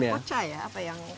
ini apa yang harus dimakan